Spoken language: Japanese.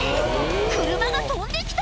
車が飛んできた！